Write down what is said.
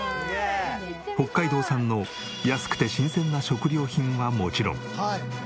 北海道産の安くて新鮮な食料品はもちろん。